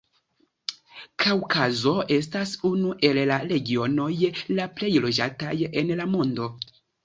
Kaŭkazo estas unu el la regionoj la plej loĝataj en la mondo.